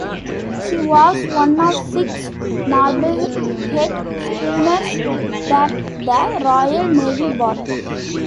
She was one of six Marblehead schooners that the Royal Navy bought.